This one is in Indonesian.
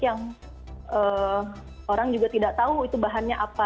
yang orang juga tidak tahu itu bahannya apa